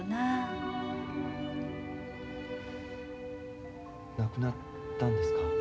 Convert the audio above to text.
・亡くなったんですか？